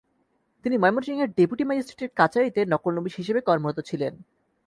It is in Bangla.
তিনি ময়মনসিংহের ডেপুটি ম্যাজিস্ট্রেটের কাচারিতে নকলনবিশ হিসেবে কর্মরত ছিলেন।